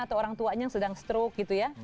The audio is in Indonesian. atau orang tuanya yang sedang stroke gitu ya